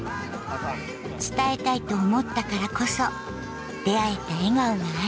伝えたいと思ったからこそ出会えた笑顔がある。